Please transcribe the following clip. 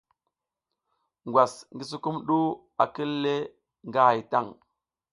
Ngwas ngi sukumɗu a kil le nga hay tan.